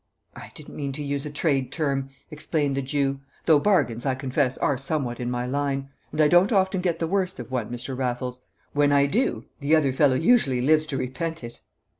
"I didn't mean to use a trade term," explained the Jew, "though bargains, I confess, are somewhat in my line; and I don't often get the worst of one, Mr. Raffles; when I do, the other fellow usually lives to repent it."